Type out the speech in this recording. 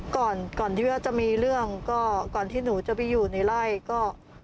ก่อนก่อนที่ว่าจะมีเรื่องก็ก่อนที่หนูจะไปอยู่ในไล่ก็